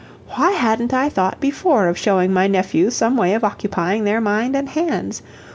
Why hadn't I thought before of showing my nephews some way of occupying their mind and hands?